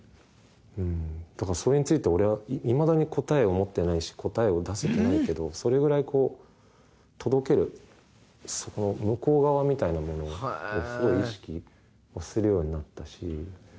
だからそれについて俺はいまだに答えを持ってないし答えを出せてないけどそれぐらいこう届ける向こう側みたいなものをすごい意識はするようになったし。